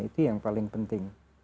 itu yang paling penting